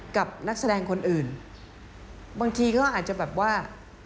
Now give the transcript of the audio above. กับนักแสดงคนอื่นบางทีเขาอาจจะแบบว่า